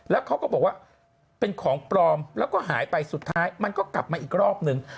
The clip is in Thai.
แล้วเขาก็บอกว่าเป็นของปลอมแล้วก็หายไปสุดท้ายมันก็กลับมาอีกรอบนึง